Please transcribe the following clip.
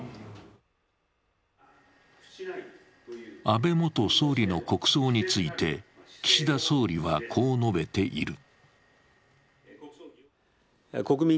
安倍元総理の国葬について岸田総理はこう述べている。